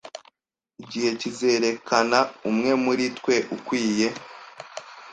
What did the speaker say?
Igihe kizerekana umwe muri twe ukwiye.